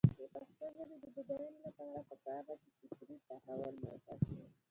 د پښتو ژبې د بډاینې لپاره پکار ده چې فطري تحول ملاتړ شي.